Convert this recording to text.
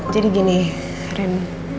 jadi gini ren